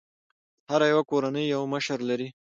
هره يوه کورنۍ یو مشر لري.